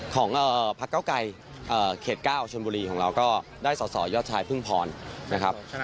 ของพักเก้าไกรเขต๙ชนบุรีของเราก็ได้สอสอยอดชายพึ่งพรนะครับ